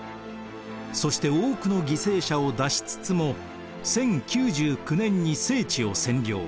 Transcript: そして多くの犠牲者を出しつつも１０９９年に聖地を占領。